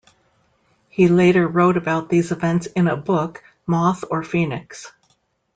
He later wrote about these events in a book, Moth or Phoenix?